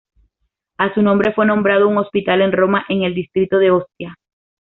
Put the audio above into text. A su nombre, fue nombrado un hospital en Roma en el distrito de Ostia.